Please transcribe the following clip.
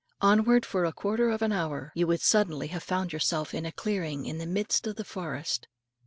Onward for a quarter of an hour, and you would suddenly have found yourself in a clearing in the midst of the forest.